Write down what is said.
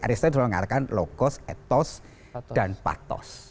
aristoteles mengatakan logos ethos dan pathos